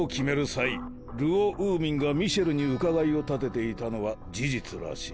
際ルオ・ウーミンがミシェルに伺いを立てていたのは事実らしい。